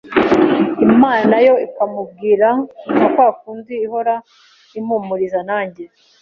Imana nayo ikamubwira nka kwa kundi ihora impumuriza nanjye,